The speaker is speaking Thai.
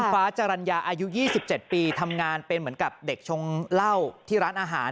ฟ้าจรรยาอายุ๒๗ปีทำงานเป็นเหมือนกับเด็กชงเหล้าที่ร้านอาหาร